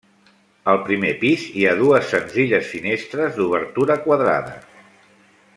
Al primer pis hi ha dues senzilles finestres d'obertura quadrada.